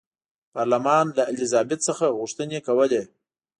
پارلمان له الیزابت څخه غوښتنې کولې.